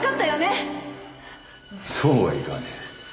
そうはいかねえ。